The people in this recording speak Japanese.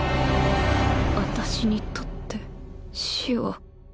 私にとって死は。